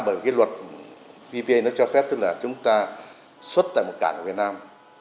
bởi vì luật ppa nó cho phép tức là chúng ta xuất tại một cảng của việt nam